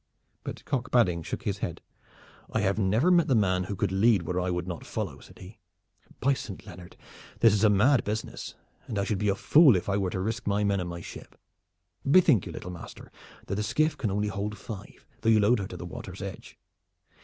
But Cock Badding shook his head. "I have never met the man who could lead where I would not follow," said he; "but by Saint Leonard! this is a mad business, and I should be a fool if I were to risk my men and my ship. Bethink you, little master, that the skiff can hold only five, though you load her to the water's edge.